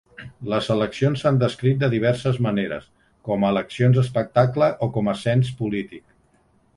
Les eleccions s'han descrit de diverses maneres, com a eleccions espectacle o com a cens polític.